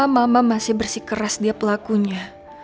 tolong mama masih bersih keras dia pelakunya